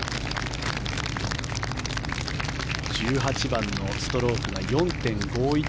１８番のストロークが４．５１２。